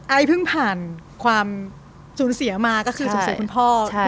ไอเพิ่งผ่านความศูนย์เสียมาก็คือศูนย์เสียคุณพ่อใช่